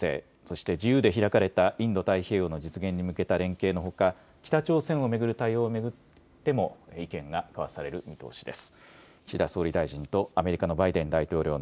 ウクライナ情勢、そして自由で開かれたインド太平洋の実現に向けた連携のほか北朝鮮を巡る対応を巡っても意見が交わされる見通しです。